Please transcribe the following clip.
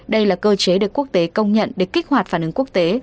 đây là cơ chế được quốc tế công nhận để kích hoạt phản ứng quốc tế